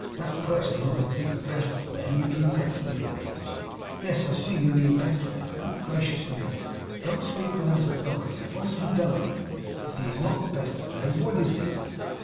That person whom I think the best of men! You mean Pecksniff, of course. Yes, I see you mean Pecksniff. Good gracious me, don't speak without authority. What has he done? If he is not the best of men, what is he?